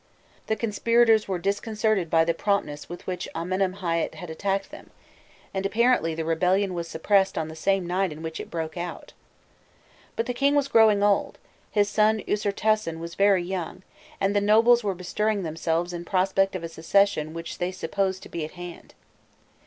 The conspirators were disconcerted by the promptness with which Amenemhâît had attacked them, and apparently the rebellion was suppressed on the same night in which it broke out. But the king was growing old, his son Usirtasen was very young, and the nobles were bestirring themselves in prospect of a succession which they supposed to be at hand.